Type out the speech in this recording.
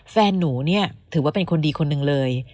แฟนหนูเนี่ยถือว่าเป็นคนดีคนหนึ่งเลย